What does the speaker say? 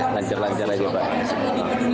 lanjar lanjar aja pak